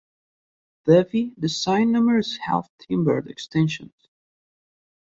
Devey designed numerous half timbered extensions.